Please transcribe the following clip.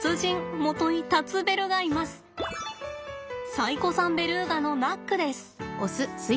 最古参ベルーガのナックです。